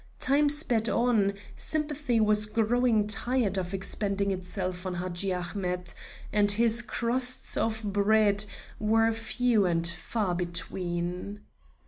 Time sped on, sympathy was growing tired of expending itself on Hadji Ahmet, and his crusts of bread were few and far between.